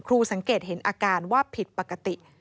สังเกตเห็นอาการว่าผิดปกติ